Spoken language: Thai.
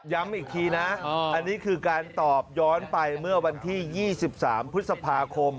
ย้ำอีกทีนะอันนี้คือการตอบย้อนไปเมื่อวันที่๒๓พฤษภาคม